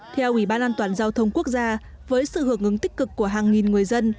theo ủy ban an toàn giao thông quốc gia với sự hưởng ứng tích cực của hàng nghìn người dân